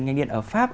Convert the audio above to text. ngành điện ở pháp